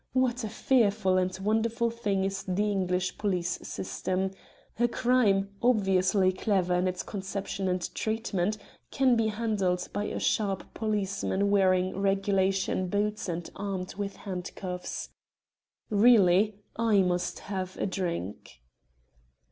What a fearful and wonderful thing is the English police system. A crime, obviously clever in its conception and treatment, can be handled by a sharp policeman wearing regulation boots and armed with handcuffs. Really, I must have a drink."